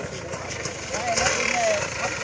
และที่สุดท้ายและที่สุดท้าย